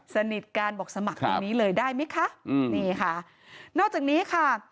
สนิทกันบอกสมัครตรงนี้เลยได้ไหมคะอืมนี่ค่ะนอกจากนี้ค่ะ